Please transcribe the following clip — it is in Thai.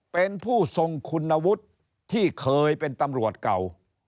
เป็นผู้ทรงคุณวุฒิที่เคยเป็นตำรวจเก่า